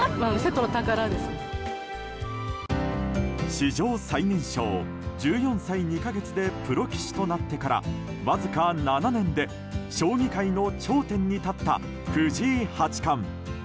史上最年少１４歳２か月でプロ棋士となってからわずか７年で将棋界の頂点に立った藤井八冠。